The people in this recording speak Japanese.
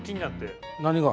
何が？